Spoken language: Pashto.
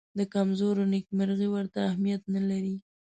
د کمزورو نېکمرغي ورته اهمیت نه لري.